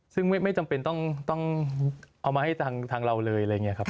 ซึ่งไม่จำเป็นต้องเอามาให้ทางเราเลย